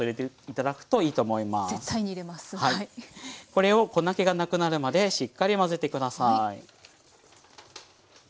これを粉けがなくなるまでしっかり混ぜてください。